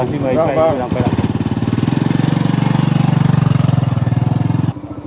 rồi thì mời anh vui lòng quay lại